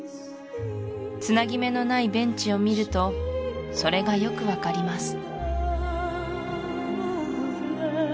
つなぎ目のないベンチを見るとそれがよく分かります